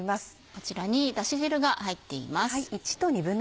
こちらにだし汁が入っています。